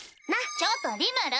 ちょっとリムル！